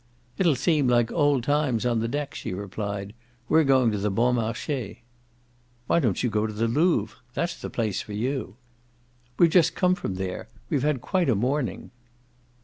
"It'll seem like old times, on the deck," she replied. "We're going to the Bon Marche." "Why don't you go to the Louvre? That's the place for YOU." "We've just come from there: we've had quite a morning."